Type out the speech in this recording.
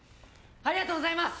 ありがとうございます！